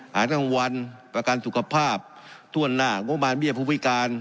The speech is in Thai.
หาทั้งวันประกันสุขภาพถ้วนหน้างบประมาณเบี้ยผู้พิการ